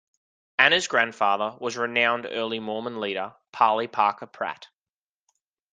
Anna's grandfather was renowned early Mormon leader Parley Parker Pratt.